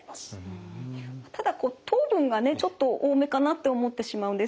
ただこう糖分がねちょっと多めかなって思ってしまうんですけど。